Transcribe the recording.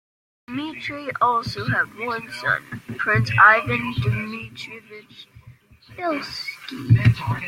Dmitry also had one son, Prince Ivan Dmitrievich Belsky.